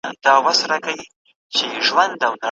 اقتصادي پلانونه په سمه توګه پلي سوي وو.